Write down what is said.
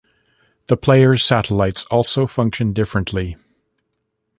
The player's satellites also function differently.